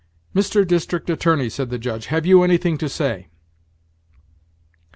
"Mr. District Attorney," said the Judge, "have you anything to say?"